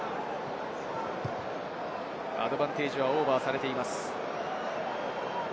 アドバンテージはオーバーされています。